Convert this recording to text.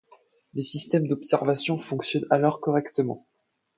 Les systèmes d'observation fonctionnent alors correctement.